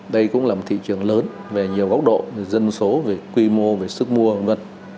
đây cũng là một thị trường lớn về nhiều góc độ dân số về quy mô về sức mua v ngân